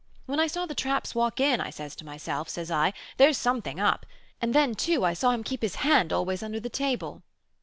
When I saw the traps walk in, I says to myself, says I, there's something up; and then, too, I saw him keep his hand always under the table."